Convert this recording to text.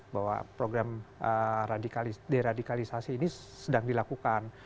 bahwa program deradikalisasi ini sedang dilakukan